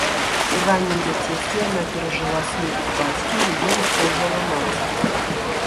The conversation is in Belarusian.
У раннім дзяцінстве яна перажыла смерць бацькі, яе выхоўвала маці.